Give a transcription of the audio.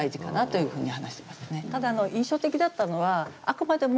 ただ印象的だったのはあくまでも